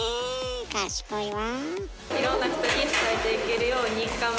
賢いわ。